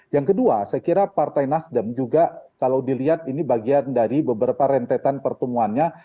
yang kedua saya kira partai nasdem juga kalau dilihat ini bagian dari beberapa rentetan pertemuannya